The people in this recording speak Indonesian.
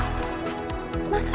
ya gak mungkin lah